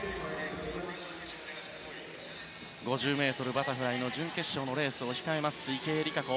５０ｍバタフライ準決勝のレースを控えます池江璃花子。